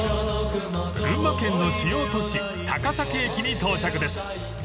［群馬県の主要都市高崎駅に到着です］